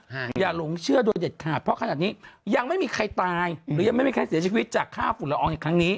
อย่าหลงเชื่อโดยเด็ดขาดเพราะขนาดนี้ยังไม่มีใครตายหรือยังไม่มีใครเสียชีวิตจากค่าฝุ่นละอองในครั้งนี้